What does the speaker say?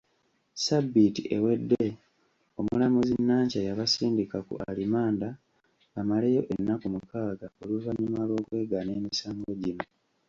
Sabiiti ewedde Omulamuzi Nankya yabasindika ku alimanda bamaleyo ennaku mukaaga oluvannyuma lw'okwegaana emisango gino.